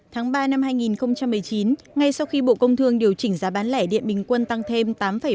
tháng ba năm hai nghìn một mươi chín ngay sau khi bộ công thương điều chỉnh giá bán lẻ điện bình quân tăng thêm tám ba mươi